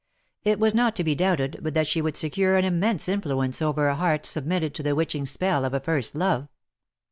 It was not to be doubted but that she would secure an immense influence over a heart submitted to the witching spell of a first love.